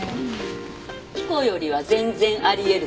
彦よりは全然あり得るぞ。